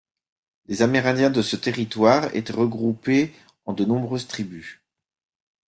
Les Amérindiens de ce territoire étaient regroupés en de nombreuses tribus.